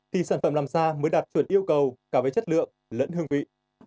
thì sản phẩm làm ra mới đạt chuẩn yêu cầu cả về chất lượng lẫn hương vị